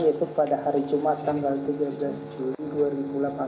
yaitu pada hari jumat tanggal tiga belas juli dua ribu delapan belas